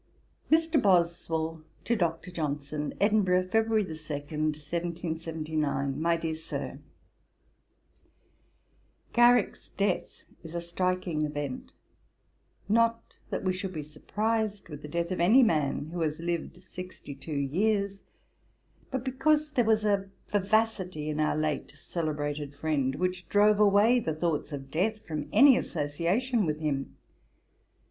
'MR. BOSWELL TO DR. JOHNSON. 'Edinburgh, Feb. 2, 1779. 'MY DEAR SIR, 'Garrick's death is a striking event; not that we should be surprised with the death of any man, who has lived sixty two years; but because there was a vivacity in our late celebrated friend, which drove away the thoughts of death from any association with him.